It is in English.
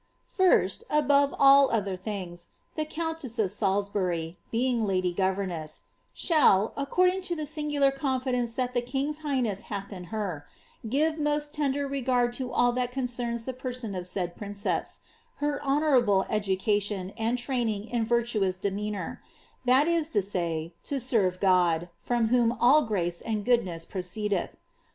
^ First, above all other things, the countess of Salisbury, being lady goTemess, shall, according to the singular confidence that the king's ighness hath in her, give most tender regard to all that concerns the person of said princess, her honourable education and training in vir taous demeanour ; that is to say, to serve God, from whom all grace and goodness proceedeth.